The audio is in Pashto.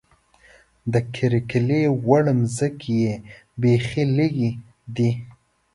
د کرکیلې وړ ځمکې یې بېخې لږې دي.